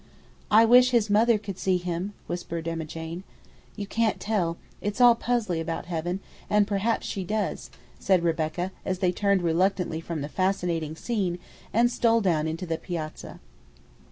"I wish his mother could see him!" whispered Emma Jane. "You can't tell; it's all puzzly about heaven, and perhaps she does," said Rebecca, as they turned reluctantly from the fascinating scene and stole down to the piazza.